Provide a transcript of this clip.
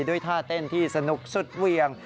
ด้วยท่าเต้นที่สนุกสุดเวียง